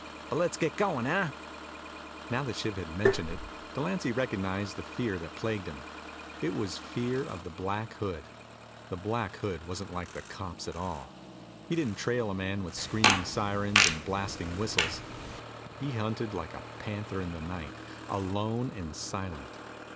But let's get going, huh?" Now that Shiv had mentioned it, Delancy recognized the fear that plagued him. It was fear of the Black Hood. The Black Hood wasn't like the cops at all. He didn't trail a man with screaming sirens and blasting whistles. He hunted like a panther in the night, alone and silent.